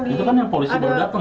itu kan yang polisi baru datang